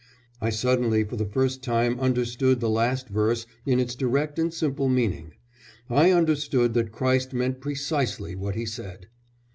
I suddenly for the first time understood the last verse in its direct and simple meaning. I understood that Christ meant precisely what he said.